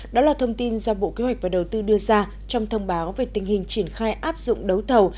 đó là thông tin do bộ kế hoạch và đầu tư đưa ra trong thông báo về tình hình triển khai áp dụng đấu thầu